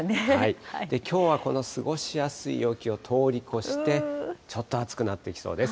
きょうはこの過ごしやすいを通り越して、ちょっと暑くなってきそうです。